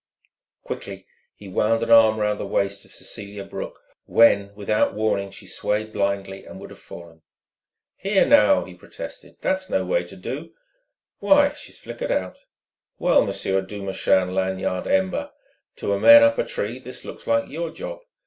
Quickly he wound an arm round the waist of Cecelia Brooke when, without warning, she swayed blindly and would have fallen. "Here, now!" he protested. "That's no way to do.... Why, she's flickered out! Well, Monsieur Duchemin Lanyard Ember, to a man up a tree this looks like your job.